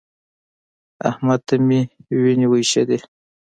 احمد ته مې وينې وايشېدې.